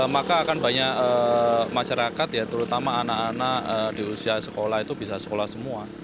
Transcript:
maka akan banyak masyarakat ya terutama anak anak di usia sekolah itu bisa sekolah semua